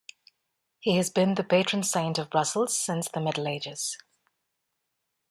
He has been the patron saint of Brussels since the Middle Ages.